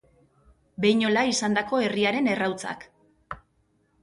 Beinhola izandako herriaren errautsak